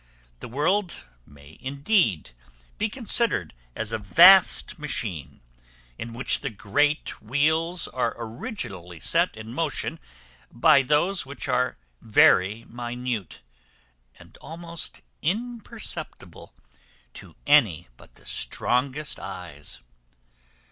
The world may indeed be considered as a vast machine, in which the great wheels are originally set in motion by those which are very minute, and almost imperceptible to any but the strongest eyes.